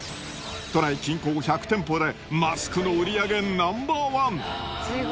都内近郊１００店舗でマスクの売り上げナンバーワン。